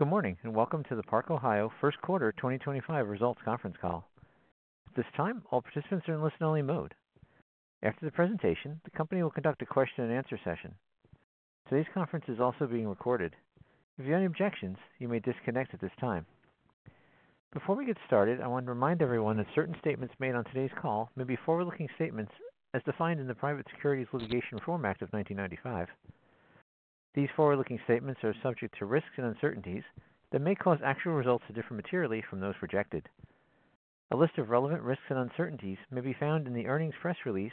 Good morning and welcome to the Park-Ohio First Quarter 2025 Results Conference Call. At this time, all participants are in listen-only mode. After the presentation, the company will conduct a question-and-answer session. Today's conference is also being recorded. If you have any objections, you may disconnect at this time. Before we get started, I want to remind everyone that certain statements made on today's call may be forward-looking statements as defined in the Private Securities Litigation Reform Act of 1995. These forward-looking statements are subject to risks and uncertainties that may cause actual results to differ materially from those projected. A list of relevant risks and uncertainties may be found in the earnings press release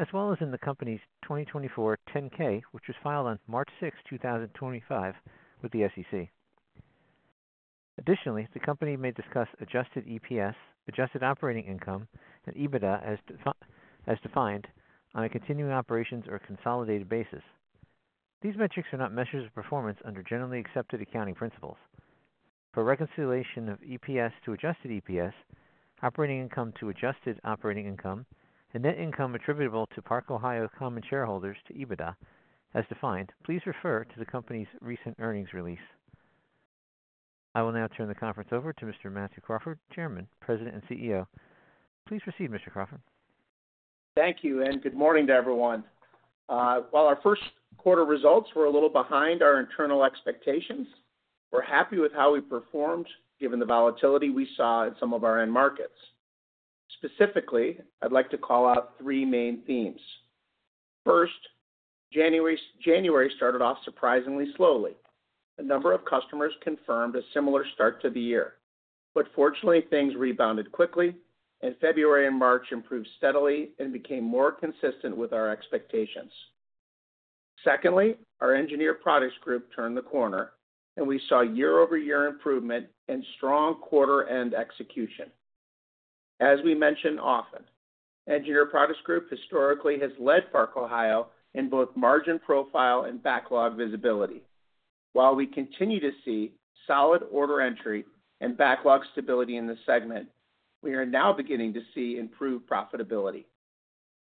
as well as in the company's 2024 10-K, which was filed on March 6, 2025, with the SEC. Additionally, the company may discuss adjusted EPS, adjusted operating income, and EBITDA as defined on a continuing operations or consolidated basis. These metrics are not measures of performance under generally accepted accounting principles. For reconciliation of EPS to adjusted EPS, operating income to adjusted operating income, and net income attributable to Park-Ohio common shareholders to EBITDA as defined, please refer to the company's recent earnings release. I will now turn the conference over to Mr. Matthew Crawford, Chairman, President, and CEO. Please proceed, Mr. Crawford. Thank you and good morning to everyone. While our first quarter results were a little behind our internal expectations, we're happy with how we performed given the volatility we saw in some of our end markets. Specifically, I'd like to call out three main themes. First, January started off surprisingly slowly. A number of customers confirmed a similar start to the year. Fortunately, things rebounded quickly, and February and March improved steadily and became more consistent with our expectations. Secondly, our Engineered Products group turned the corner, and we saw year-over-year improvement and strong quarter-end execution. As we mention often, Engineered Products group historically has led Park-Ohio in both margin profile and backlog visibility. While we continue to see solid order entry and backlog stability in the segment, we are now beginning to see improved profitability.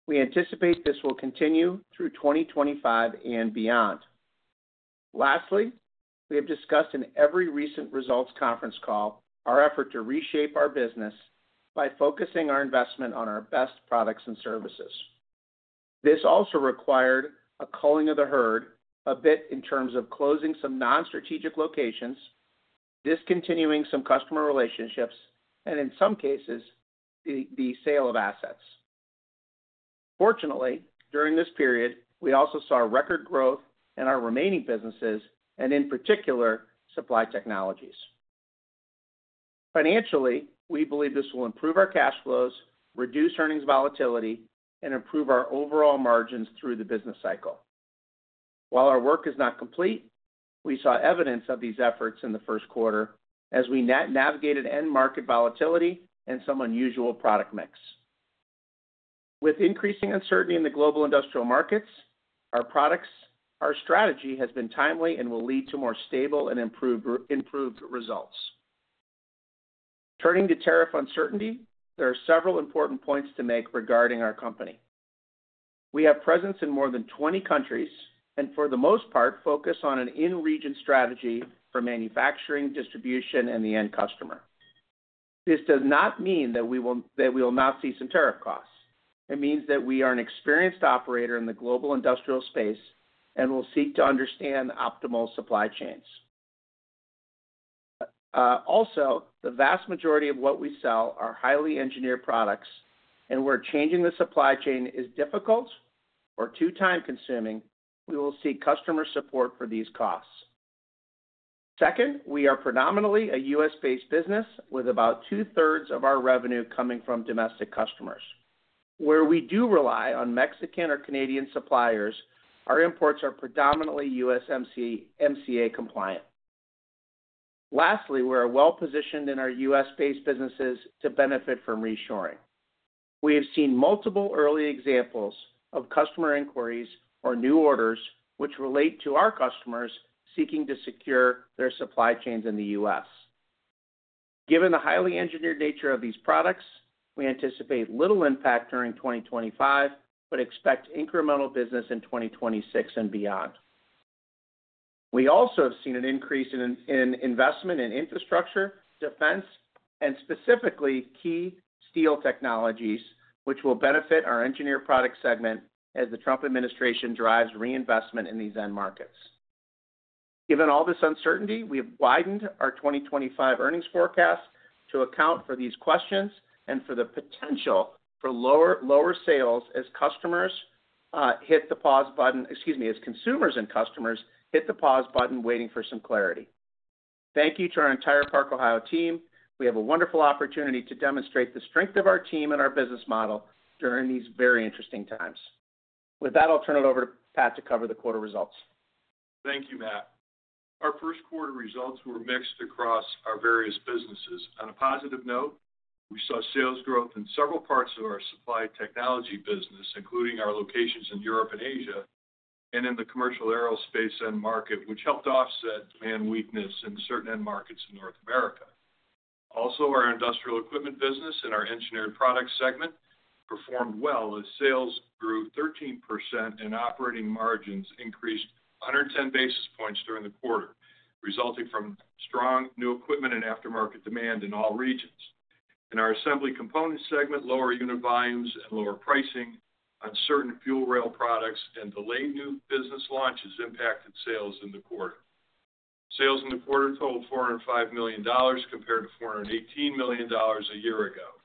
We anticipate this will continue through 2025 and beyond. Lastly, we have discussed in every recent results conference call our effort to reshape our business by focusing our investment on our best products and services. This also required a culling of the herd a bit in terms of closing some non-strategic locations, discontinuing some customer relationships, and in some cases, the sale of assets. Fortunately, during this period, we also saw record growth in our remaining businesses and, in particular, Supply Technologies. Financially, we believe this will improve our cash flows, reduce earnings volatility, and improve our overall margins through the business cycle. While our work is not complete, we saw evidence of these efforts in the first quarter as we navigated end market volatility and some unusual product mix. With increasing uncertainty in the global industrial markets, our strategy has been timely and will lead to more stable and improved results. Turning to tariff uncertainty, there are several important points to make regarding our company. We have presence in more than 20 countries and, for the most part, focus on an in-region strategy for manufacturing, distribution, and the end customer. This does not mean that we will not see some tariff costs. It means that we are an experienced operator in the global industrial space and will seek to understand optimal supply chains. Also, the vast majority of what we sell are highly engineered products, and where changing the supply chain is difficult or too time-consuming, we will seek customer support for these costs. Second, we are predominantly a U.S.-based business with about two-thirds of our revenue coming from domestic customers. Where we do rely on Mexican or Canadian suppliers, our imports are predominantly USMCA compliant. Lastly, we are well-positioned in our U.S.-based businesses to benefit from reshoring. We have seen multiple early examples of customer inquiries or new orders which relate to our customers seeking to secure their supply chains in the U.S. Given the highly engineered nature of these products, we anticipate little impact during 2025 but expect incremental business in 2026 and beyond. We also have seen an increase in investment in infrastructure, defense, and specifically key steel technologies, which will benefit our engineered product segment as the Trump administration drives reinvestment in these end markets. Given all this uncertainty, we have widened our 2025 earnings forecast to account for these questions and for the potential for lower sales as customers hit the pause button—excuse me, as consumers and customers hit the pause button waiting for some clarity. Thank you to our entire Park-Ohio team. We have a wonderful opportunity to demonstrate the strength of our team and our business model during these very interesting times. With that, I'll turn it over to Pat to cover the quarter results. Thank you, Matt. Our first quarter results were mixed across our various businesses. On a positive note, we saw sales growth in several parts of our supply technology business, including our locations in Europe and Asia and in the commercial aerospace end market, which helped offset demand weakness in certain end markets in North America. Also, our industrial equipment business and our engineered products segment performed well as sales grew 13% and operating margins increased 110 basis points during the quarter, resulting from strong new equipment and aftermarket demand in all regions. In our assembly components segment, lower unit volumes and lower pricing on certain fuel rail products and delayed new business launches impacted sales in the quarter. Sales in the quarter totaled $405 million compared to $418 million a year ago.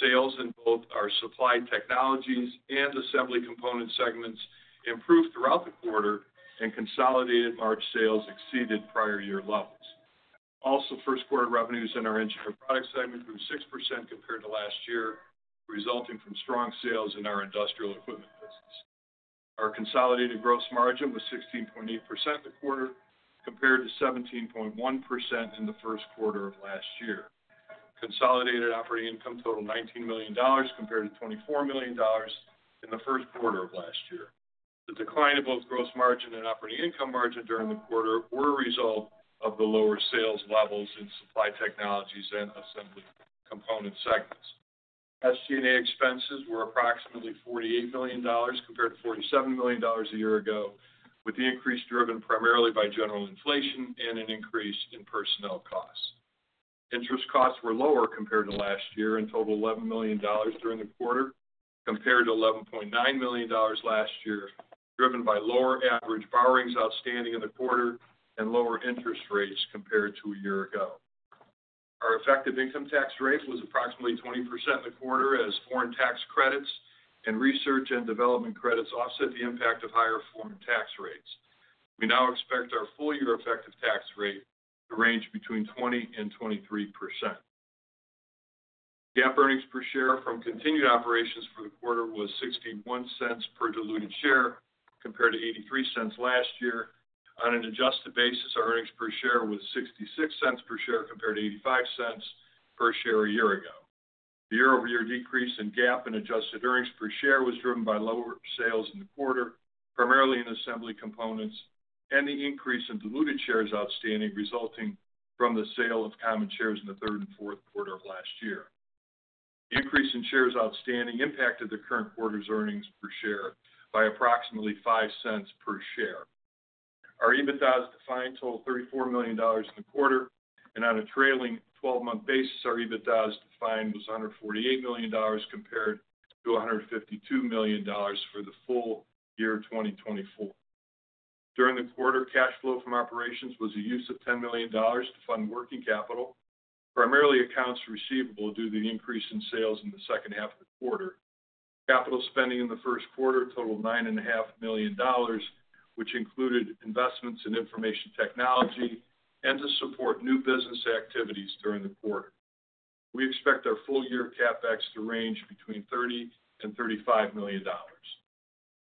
Sales in both our supply technologies and assembly component segments improved throughout the quarter, and consolidated March sales exceeded prior year levels. Also, first quarter revenues in our engineered products segment grew 6% compared to last year, resulting from strong sales in our industrial equipment business. Our consolidated gross margin was 16.8% for the quarter compared to 17.1% in the first quarter of last year. Consolidated operating income totaled $19 million compared to $24 million in the first quarter of last year. The decline of both gross margin and operating income margin during the quarter was a result of the lower sales levels in supply technologies and assembly component segments. SG&A expenses were approximately $48 million compared to $47 million a year ago, with the increase driven primarily by general inflation and an increase in personnel costs. Interest costs were lower compared to last year and totaled $11 million during the quarter compared to $11.9 million last year, driven by lower average borrowings outstanding in the quarter and lower interest rates compared to a year ago. Our effective income tax rate was approximately 20% in the quarter as foreign tax credits and research and development credits offset the impact of higher foreign tax rates. We now expect our full-year effective tax rate to range between 20%-23%. GAAP earnings per share from continued operations for the quarter was $0.61 per diluted share compared to $0.83 last year. On an adjusted basis, our earnings per share was $0.66 per share compared to $0.85 per share a year ago. The year-over-year decrease in GAAP and adjusted earnings per share was driven by lower sales in the quarter, primarily in Assembly Components, and the increase in diluted shares outstanding resulting from the sale of common shares in the third and fourth quarter of last year. Increase in shares outstanding impacted the current quarter's earnings per share by approximately $0.05 per share. Our EBITDA as defined totaled $34 million in the quarter, and on a trailing 12-month basis, our EBITDA as defined was $148 million compared to $152 million for the full year 2024. During the quarter, cash flow from operations was a use of $10 million to fund working capital, primarily accounts receivable due to the increase in sales in the second half of the quarter. Capital spending in the first quarter totaled $9.5 million, which included investments in information technology and to support new business activities during the quarter. We expect our full-year CapEx to range between $30 million and $35 million.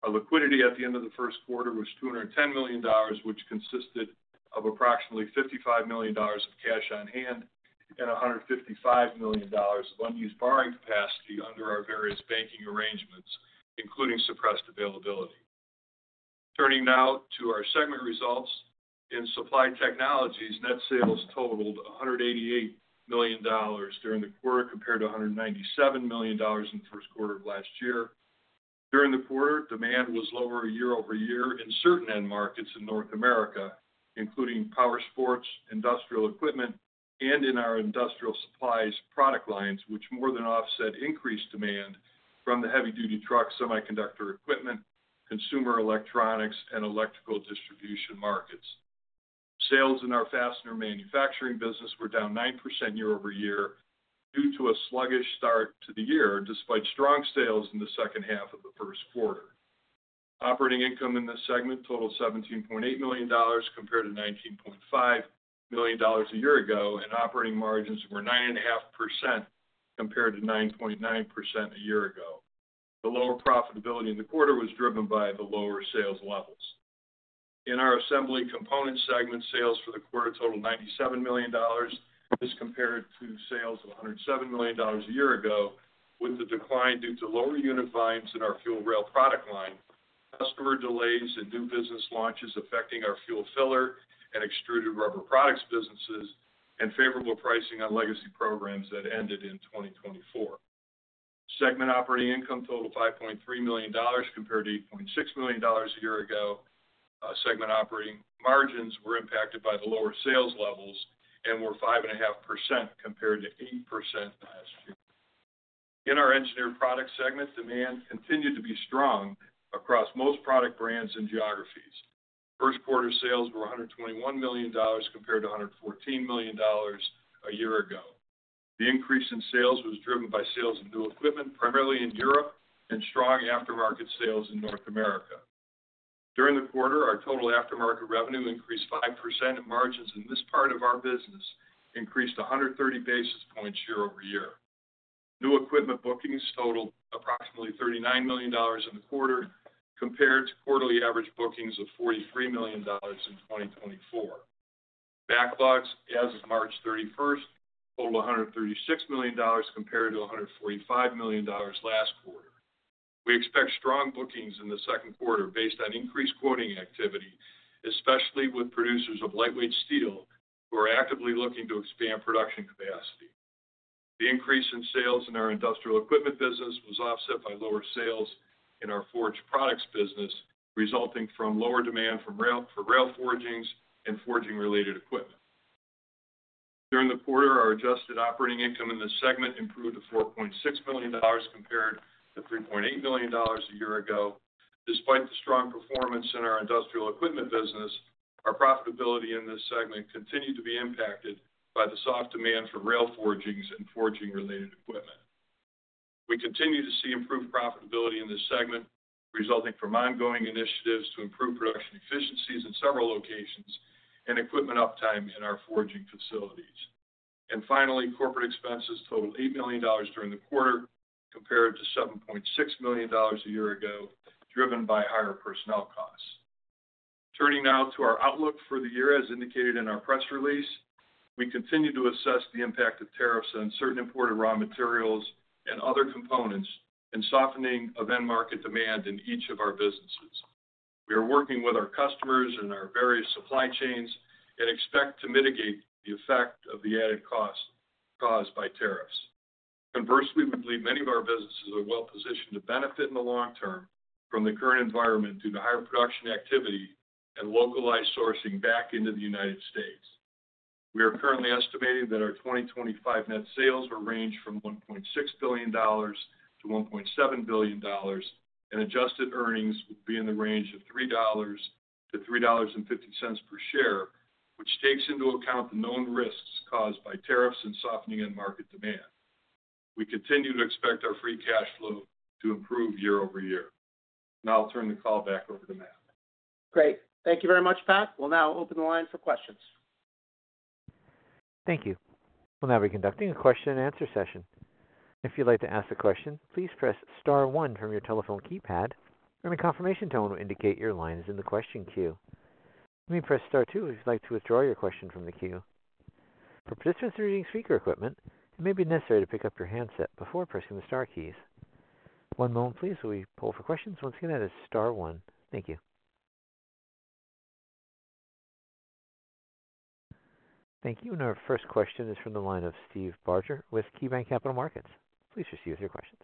Our liquidity at the end of the first quarter was $210 million, which consisted of approximately $55 million of cash on hand and $155 million of unused borrowing capacity under our various banking arrangements, including suppressed availability. Turning now to our segment results, in supply technologies, net sales totaled $188 million during the quarter compared to $197 million in the first quarter of last year. During the quarter, demand was lower year-over-year in certain end markets in North America, including power sports, industrial equipment, and in our industrial supplies product lines, which more than offset increased demand from the heavy-duty truck, semiconductor equipment, consumer electronics, and electrical distribution markets. Sales in our fastener manufacturing business were down 9% year-over-year due to a sluggish start to the year, despite strong sales in the second half of the first quarter. Operating income in this segment totaled $17.8 million compared to $19.5 million a year ago, and operating margins were 9.5% compared to 9.9% a year ago. The lower profitability in the quarter was driven by the lower sales levels. In our assembly components segment, sales for the quarter totaled $97 million as compared to sales of $107 million a year ago, with the decline due to lower unit volumes in our fuel rail product line, customer delays in new business launches affecting our fuel filler and extruded rubber products businesses, and favorable pricing on legacy programs that ended in 2024. Segment operating income totaled $5.3 million compared to $8.6 million a year ago. Segment operating margins were impacted by the lower sales levels and were 5.5% compared to 8% last year. In our engineered product segment, demand continued to be strong across most product brands and geographies. First quarter sales were $121 million compared to $114 million a year ago. The increase in sales was driven by sales of new equipment, primarily in Europe, and strong aftermarket sales in North America. During the quarter, our total aftermarket revenue increased 5%, and margins in this part of our business increased 130 basis points year-over-year. New equipment bookings totaled approximately $39 million in the quarter compared to quarterly average bookings of $43 million in 2024. Backlogs, as of March 31, totaled $136 million compared to $145 million last quarter. We expect strong bookings in the second quarter based on increased quoting activity, especially with producers of lightweight steel who are actively looking to expand production capacity. The increase in sales in our industrial equipment business was offset by lower sales in our forged products business, resulting from lower demand for rail forgings and forging-related equipment. During the quarter, our adjusted operating income in this segment improved to $4.6 million compared to $3.8 million a year ago. Despite the strong performance in our industrial equipment business, our profitability in this segment continued to be impacted by the soft demand for rail forgings and forging-related equipment. We continue to see improved profitability in this segment, resulting from ongoing initiatives to improve production efficiencies in several locations and equipment uptime in our forging facilities. Corporate expenses totaled $8 million during the quarter compared to $7.6 million a year ago, driven by higher personnel costs. Turning now to our outlook for the year, as indicated in our press release, we continue to assess the impact of tariffs on certain imported raw materials and other components and softening of end market demand in each of our businesses. We are working with our customers and our various supply chains and expect to mitigate the effect of the added costs caused by tariffs. Conversely, we believe many of our businesses are well-positioned to benefit in the long term from the current environment due to higher production activity and localized sourcing back into the United States. We are currently estimating that our 2025 net sales will range from $1.6 billion-$1.7 billion, and adjusted earnings will be in the range of $3-$3.50 per share, which takes into account the known risks caused by tariffs and softening end market demand. We continue to expect our free cash flow to improve year-over-year. Now I'll turn the call back over to Matt. Great. Thank you very much, Pat. We will now open the line for questions. Thank you. We'll now be conducting a question-and-answer session. If you'd like to ask a question, please press Star 1 from your telephone keypad, or the confirmation tone will indicate your line is in the question queue. You may press Star 2 if you'd like to withdraw your question from the queue. For participants who are using speaker equipment, it may be necessary to pick up your handset before pressing the Star keys. One moment, please, while we pull for questions. Once again, that is Star 1. Thank you. Thank you. Our first question is from the line of Steve Barger with KeyBanc Capital Markets. Please proceed with your questions.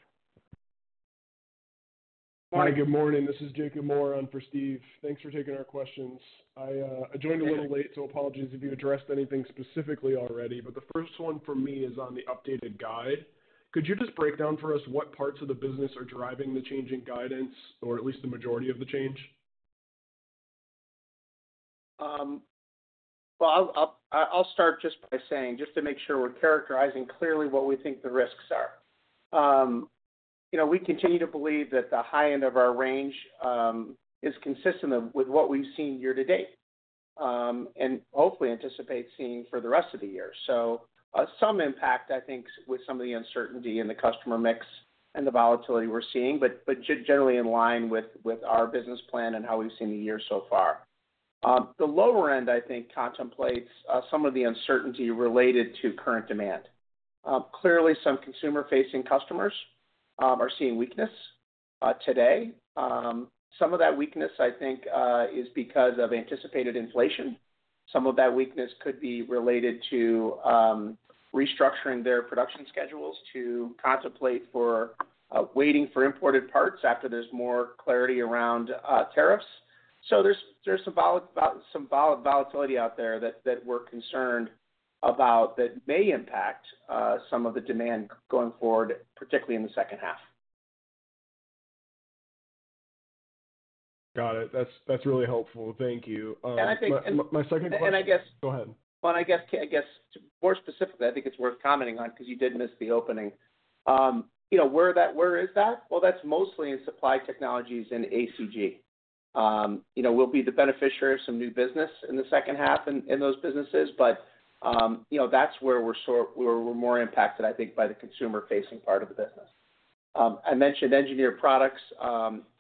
Hi, good morning. This is Jacob Moore on for Steve. Thanks for taking our questions. I joined a little late, so apologies if you addressed anything specifically already. The first one for me is on the updated guide. Could you just break down for us what parts of the business are driving the changing guidance, or at least the majority of the change? I will start just by saying, just to make sure we are characterizing clearly what we think the risks are. We continue to believe that the high end of our range is consistent with what we have seen year to date and hopefully anticipate seeing for the rest of the year. Some impact, I think, with some of the uncertainty in the customer mix and the volatility we are seeing, but generally in line with our business plan and how we have seen the year so far. The lower end, I think, contemplates some of the uncertainty related to current demand. Clearly, some consumer-facing customers are seeing weakness today. Some of that weakness, I think, is because of anticipated inflation. Some of that weakness could be related to restructuring their production schedules to contemplate waiting for imported parts after there is more clarity around tariffs. There's some volatility out there that we're concerned about that may impact some of the demand going forward, particularly in the second half. Got it. That's really helpful. Thank you. I think. My second question. Go ahead. I guess more specifically, I think it's worth commenting on because you did miss the opening. Where is that? That's mostly in supply technologies and ACG. We'll be the beneficiary of some new business in the second half in those businesses, but that's where we're more impacted, I think, by the consumer-facing part of the business. I mentioned engineered products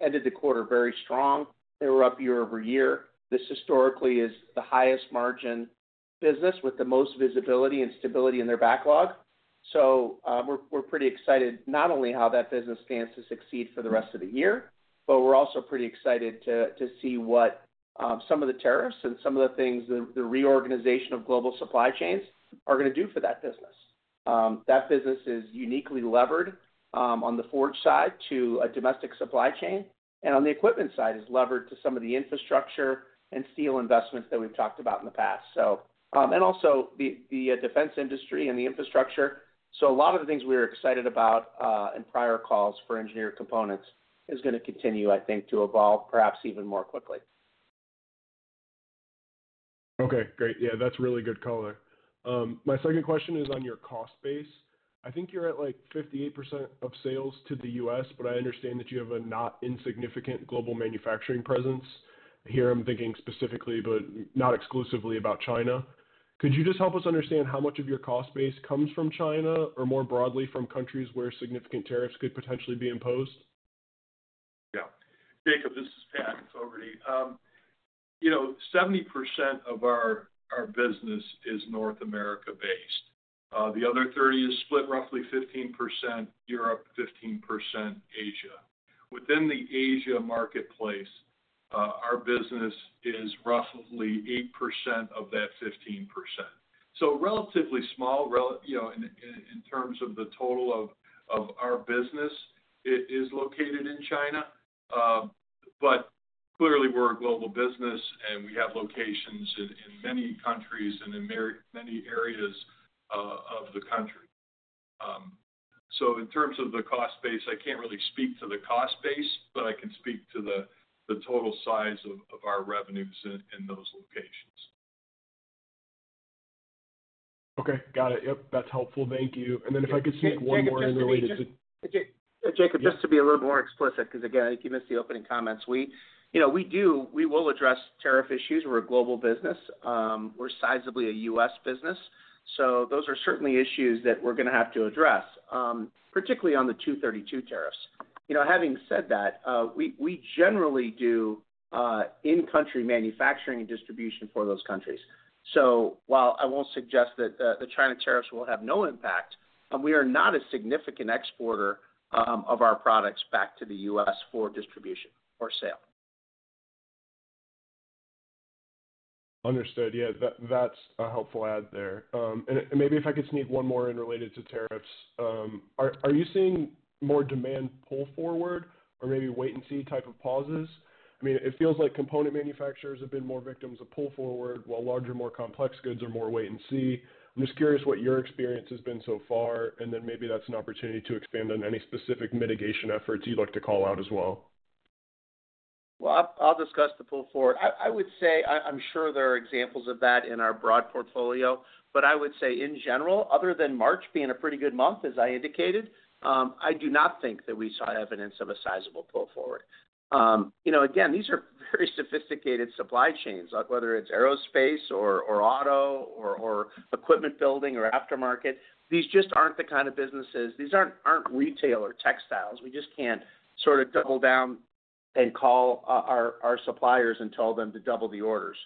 ended the quarter very strong. They were up year-over-year. This historically is the highest margin business with the most visibility and stability in their backlog. We're pretty excited not only how that business stands to succeed for the rest of the year, but we're also pretty excited to see what some of the tariffs and some of the things the reorganization of global supply chains are going to do for that business. That business is uniquely levered on the forged side to a domestic supply chain, and on the equipment side is levered to some of the infrastructure and steel investments that we've talked about in the past. Also the defense industry and the infrastructure. A lot of the things we were excited about in prior calls for engineered components is going to continue, I think, to evolve perhaps even more quickly. Okay. Great. Yeah, that's really good color. My second question is on your cost base. I think you're at like 58% of sales to the U.S., but I understand that you have a not insignificant global manufacturing presence. Here, I'm thinking specifically, but not exclusively about China. Could you just help us understand how much of your cost base comes from China or more broadly from countries where significant tariffs could potentially be imposed? Yeah. Jacob, this is Pat Fogarty. 70% of our business is North America-based. The other 30% is split roughly 15% Europe, 15% Asia. Within the Asia marketplace, our business is roughly 8% of that 15%. So relatively small in terms of the total of our business is located in China, but clearly we are a global business and we have locations in many countries and in many areas of the country. In terms of the cost base, I cannot really speak to the cost base, but I can speak to the total size of our revenues in those locations. Okay. Got it. Yep. That's helpful. Thank you. If I could see one more related to. Jacob, just to be a little more explicit, because again, I think you missed the opening comments. We will address tariff issues. We are a global business. We are sizably a U.S. business. Those are certainly issues that we are going to have to address, particularly on the 232 tariffs. Having said that, we generally do in-country manufacturing and distribution for those countries. While I will not suggest that the China tariffs will have no impact, we are not a significant exporter of our products back to the U.S. for distribution or sale. Understood. Yeah, that's a helpful add there. Maybe if I could sneak one more in related to tariffs. Are you seeing more demand pull forward or maybe wait-and-see type of pauses? I mean, it feels like component manufacturers have been more victims of pull forward while larger, more complex goods are more wait-and-see. I'm just curious what your experience has been so far, and then maybe that's an opportunity to expand on any specific mitigation efforts you'd like to call out as well. I'll discuss the pull forward. I would say I'm sure there are examples of that in our broad portfolio, but I would say in general, other than March being a pretty good month, as I indicated, I do not think that we saw evidence of a sizable pull forward. Again, these are very sophisticated supply chains, whether it's aerospace or auto or equipment building or aftermarket. These just aren't the kind of businesses. These aren't retail or textiles. We just can't sort of double down and call our suppliers and tell them to double the orders.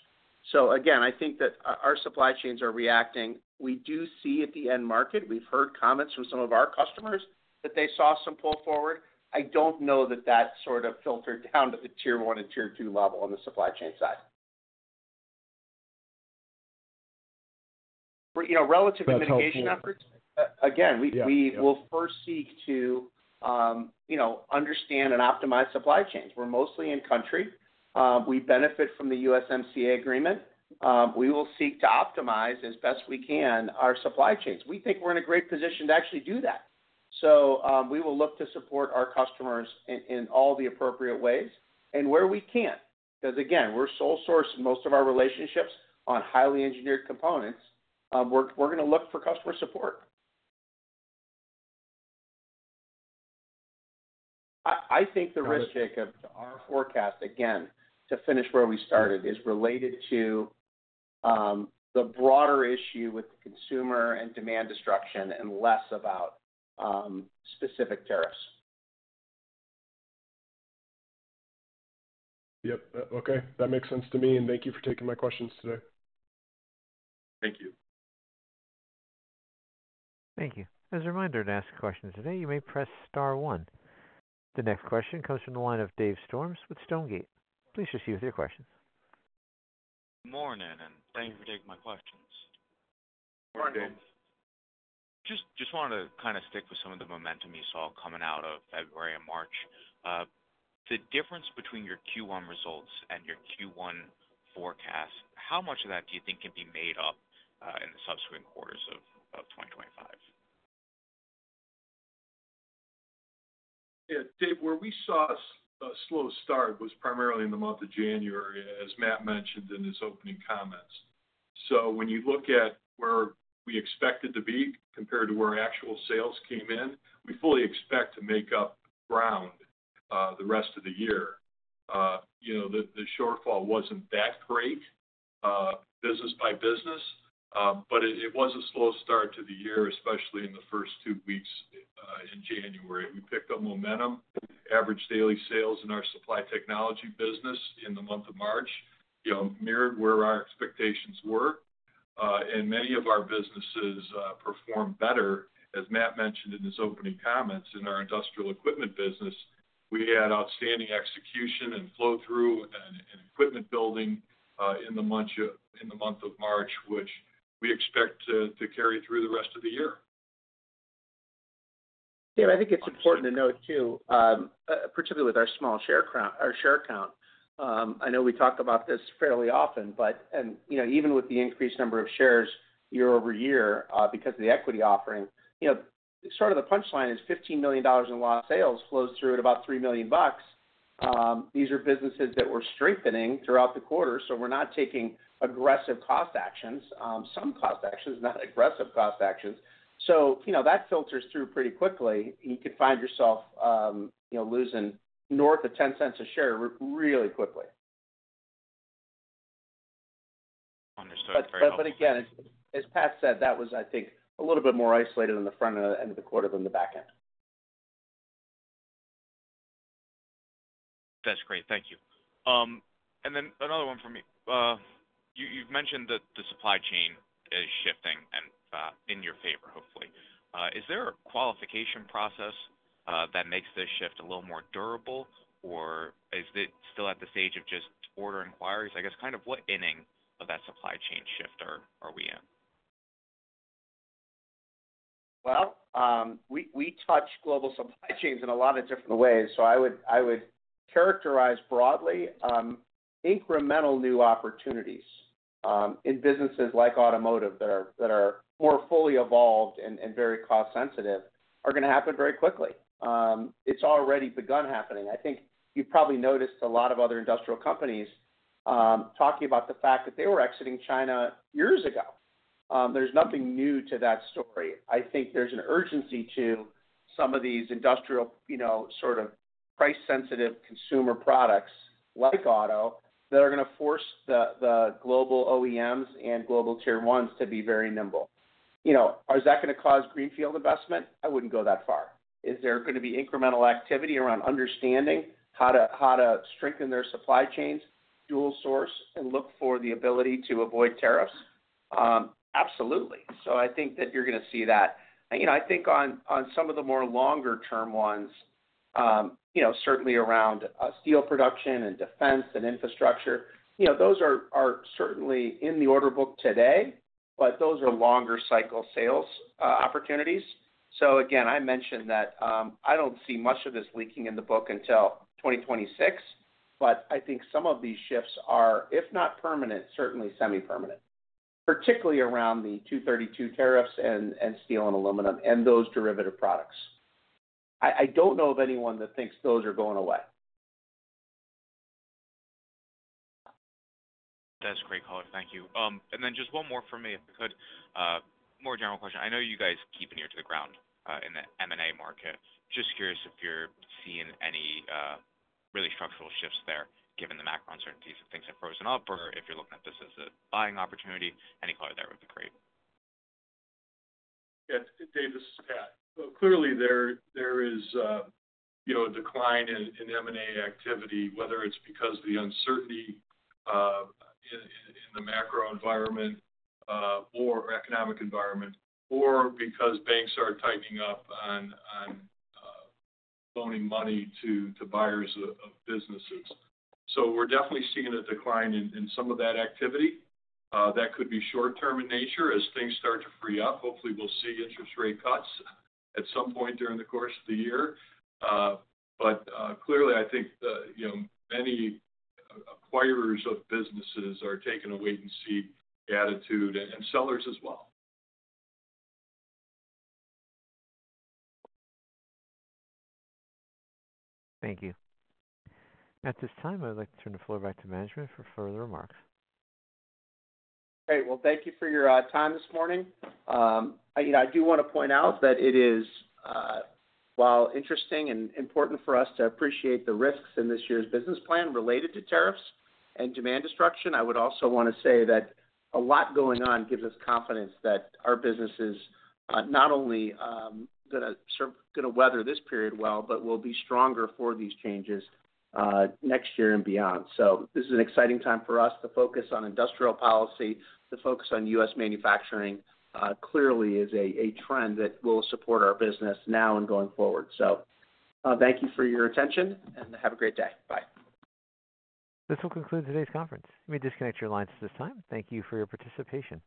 Again, I think that our supply chains are reacting. We do see at the end market. We've heard comments from some of our customers that they saw some pull forward. I don't know that that sort of filtered down to the tier one and tier two level on the supply chain side. Relative to mitigation efforts, again, we will first seek to understand and optimize supply chains. We're mostly in country. We benefit from the USMCA agreement. We will seek to optimize as best we can our supply chains. We think we're in a great position to actually do that. We will look to support our customers in all the appropriate ways and where we can. Because again, we're sole sourcing most of our relationships on highly engineered components. We're going to look for customer support. I think the risk, Jacob, to our forecast, again, to finish where we started, is related to the broader issue with consumer and demand destruction and less about specific tariffs. Yep. Okay. That makes sense to me. Thank you for taking my questions today. Thank you. Thank you. As a reminder to ask questions today, you may press Star 1. The next question comes from the line of Dave Storms with Stonegate. Please proceed with your questions. Good morning, and thank you for taking my questions. Morning, Dave. Just wanted to kind of stick with some of the momentum you saw coming out of February and March. The difference between your Q1 results and your Q1 forecast, how much of that do you think can be made up in the subsequent quarters of 2025? Yeah. Dave, where we saw a slow start was primarily in the month of January, as Matt mentioned in his opening comments. When you look at where we expected to be compared to where actual sales came in, we fully expect to make up ground the rest of the year. The shortfall was not that great business by business, but it was a slow start to the year, especially in the first two weeks in January. We picked up momentum, average daily sales in our supply technology business in the month of March mirrored where our expectations were. Many of our businesses performed better, as Matt mentioned in his opening comments, in our industrial equipment business. We had outstanding execution and flow-through and equipment building in the month of March, which we expect to carry through the rest of the year. Dave, I think it's important to note too, particularly with our small share count, I know we talk about this fairly often, but even with the increased number of shares year-over-year because of the equity offering, sort of the punchline is $15 million in lost sales flows through at about $3 million bucks. These are businesses that were strengthening throughout the quarter, so we're not taking aggressive cost actions, some cost actions, not aggressive cost actions. That filters through pretty quickly. You could find yourself losing north of $0.10 a share really quickly. Understood. Very helpful. As Pat said, that was, I think, a little bit more isolated on the front end of the quarter than the back end. That's great. Thank you. Another one for me. You've mentioned that the supply chain is shifting in your favor, hopefully. Is there a qualification process that makes this shift a little more durable, or is it still at the stage of just order inquiries? I guess kind of what inning of that supply chain shift are we in? We touch global supply chains in a lot of different ways. I would characterize broadly incremental new opportunities in businesses like automotive that are more fully evolved and very cost-sensitive are going to happen very quickly. It's already begun happening. I think you've probably noticed a lot of other industrial companies talking about the fact that they were exiting China years ago. There's nothing new to that story. I think there's an urgency to some of these industrial sort of price-sensitive consumer products like auto that are going to force the global OEMs and global tier ones to be very nimble. Is that going to cause greenfield investment? I wouldn't go that far. Is there going to be incremental activity around understanding how to strengthen their supply chains, dual source, and look for the ability to avoid tariffs? Absolutely. I think that you're going to see that. I think on some of the more longer-term ones, certainly around steel production and defense and infrastructure, those are certainly in the order book today, but those are longer-cycle sales opportunities. Again, I mentioned that I do not see much of this leaking in the book until 2026, but I think some of these shifts are, if not permanent, certainly semi-permanent, particularly around the 232 tariffs and steel and aluminum and those derivative products. I do not know of anyone that thinks those are going away. That's great color. Thank you. Just one more for me, if I could. More general question. I know you guys keep an ear to the ground in the M&A market. Just curious if you're seeing any really structural shifts there given the macro uncertainties, if things have frozen up, or if you're looking at this as a buying opportunity. Any color there would be great. Yeah. Dave, this is Pat. Clearly, there is a decline in M&A activity, whether it's because of the uncertainty in the macro environment or economic environment, or because banks are tightening up on loaning money to buyers of businesses. We are definitely seeing a decline in some of that activity. That could be short-term in nature as things start to free up. Hopefully, we'll see interest rate cuts at some point during the course of the year. Clearly, I think many acquirers of businesses are taking a wait-and-see attitude and sellers as well. Thank you. At this time, I'd like to turn the floor back to management for further remarks. Thank you for your time this morning. I do want to point out that it is, while interesting and important for us to appreciate the risks in this year's business plan related to tariffs and demand destruction, I would also want to say that a lot going on gives us confidence that our business is not only going to weather this period well, but will be stronger for these changes next year and beyond. This is an exciting time for us to focus on industrial policy, to focus on U.S. manufacturing, clearly is a trend that will support our business now and going forward. Thank you for your attention, and have a great day. Bye. This will conclude today's conference. You may disconnect your lines at this time. Thank you for your participation.